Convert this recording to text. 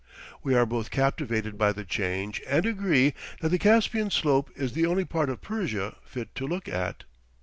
We are both captivated by the change, and agree that the Caspian slope is the only part of Persia fit to look at.